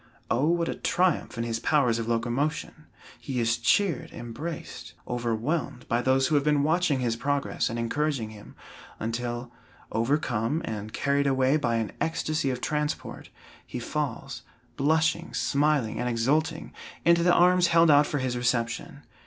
O what a triumph in his powers of locomotion! He is cheered, embraced, overwhelmed, by those who have been watching his progress and encouraging him, until, overcome and carried away by an extasy of transport, he falls, blushing, smiling and exulting into the arms held out for his reception.